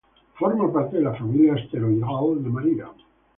Forma parte de la familia asteroidal de María.